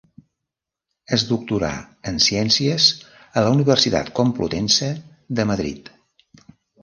Es doctorà en ciències a la Universitat Complutense de Madrid.